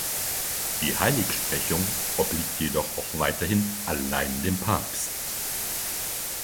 Die Heiligsprechung obliegt jedoch auch weiterhin allein dem Papst.